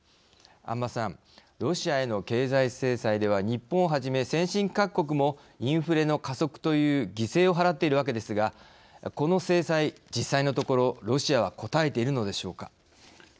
安間さん、ロシアへの経済制裁では、日本をはじめ先進各国もインフレの加速という犠牲を払っているわけですがこの制裁、実際のところロシアはこたえているのでしょうか。